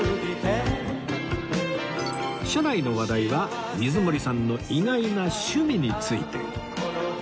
車内の話題は水森さんの意外な趣味について